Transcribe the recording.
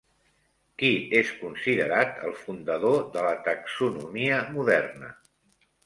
Qui és considerat el fundador de la taxonomia moderna?